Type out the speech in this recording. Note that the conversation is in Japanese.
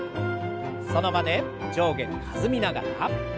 その場で上下に弾みながら。